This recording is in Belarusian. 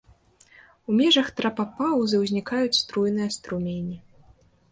У межах трапапаўзы ўзнікаюць струйныя струмені.